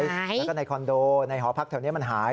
แล้วก็ในคอนโดในหอพักแถวนี้มันหาย